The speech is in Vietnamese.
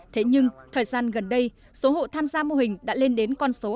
thế nhưng thời gian gần đây số hộ tham gia mô hình đã lên đến khoảng một năm triệu đồng